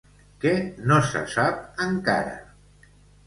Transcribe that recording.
Què no se sap encara?